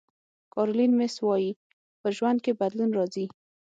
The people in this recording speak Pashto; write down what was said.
کارولین میس وایي په ژوند کې بدلون راځي.